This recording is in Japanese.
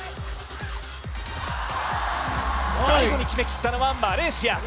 最後に決めきったのはマレーシア。